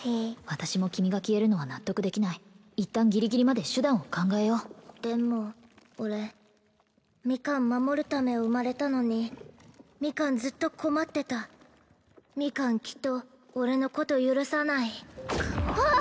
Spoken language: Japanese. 私も君が消えるのは納得できない一旦ギリギリまで手段を考えようでも俺ミカン守るため生まれたのにミカンずっと困ってたミカンきっと俺のこと許さないあっ！